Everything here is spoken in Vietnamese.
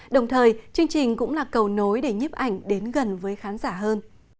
đồng thời chương trình cũng là cầu nối để nhếp ảnh đến gần với khán giả hơn